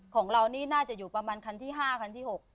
ของเรานี่น่าจะอยู่ประมาณคันที่๕คันที่๖